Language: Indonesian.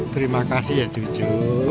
terima kasih ya cucu